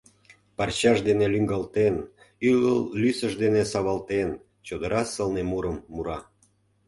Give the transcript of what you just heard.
Парчаж дене лӱҥгалтен, ӱлыл лӱсыж дене савалтен, чодыра сылне мурым мура.